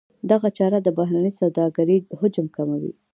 دغه چاره د بهرنۍ سوداګرۍ حجم کموي.